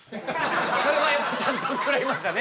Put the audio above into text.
それはやっぱちゃんと怒られましたね。